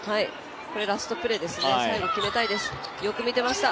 これラストプレーですね。